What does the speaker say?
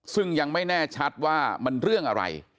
ซึ่งยังไม่แน่ชัดว่ามันเรื่องอะไร